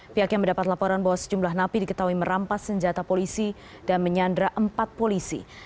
pihaknya mendapat laporan bahwa sejumlah napi diketahui merampas senjata polisi dan menyandra empat polisi